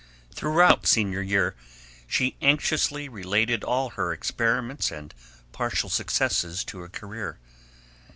Throughout Senior year she anxiously related all her experiments and partial successes to a career.